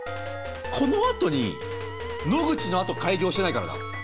このあとに野口のあと改行してないからだ。